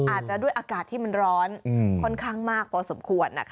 อาจจะด้วยอากาศที่มันร้อนค่อนข้างมากพอสมควร